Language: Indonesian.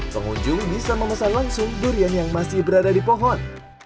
pengunjung bisa memesan langsung durian yang masih berada di pohon